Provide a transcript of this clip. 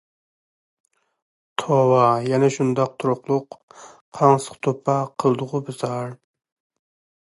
توۋا يەنە شۇنداق تۇرۇقلۇق، قاڭسىق توپا قىلدىغۇ بىزار.